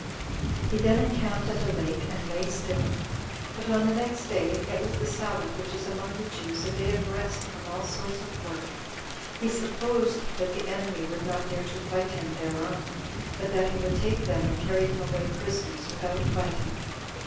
He then encamped at a lake, and lay still; but on the next day [it was the sabbath, which is among the Jews a day of rest from all sorts of work] he supposed that the enemy would not dare to fight him thereon, but that he would take them and carry them away prisoners, without fighting.